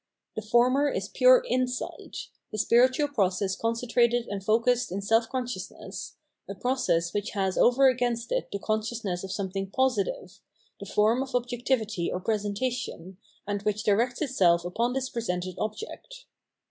The former is pure Insight, the spiritual process concentrated and focussed in self consciousness, a process which has over against it the consciousness of something positive, the form of objectivity or pre sentation, and which directs itself upon this presented object.